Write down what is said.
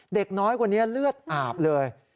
เด็กน้อยคนนี้เลือดอาบเลย